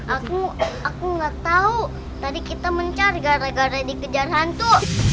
aku aku nggak tahu tadi kita mencari gara gara dikejar hantu